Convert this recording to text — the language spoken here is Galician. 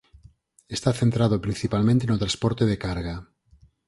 Está centrado principalmente no transporte de carga.